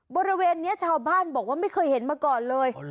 บริเวณนี้ชาวบ้านบอกว่าไม่เคยเห็นมาก่อนเลย